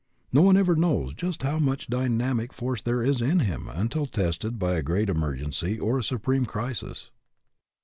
No one ever knows just how much dynamic force there is in him until tested by a great RESPONSIBILITY DEVELOPS 99 emergency or a supreme crisis.